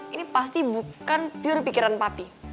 ini pasti bukan pure pikiran papi